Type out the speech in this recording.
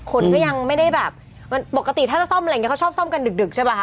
คนก็ยังไม่ได้แบบมันปกติถ้าจะซ่อมอะไรอย่างนี้เขาชอบซ่อมกันดึกใช่ป่ะค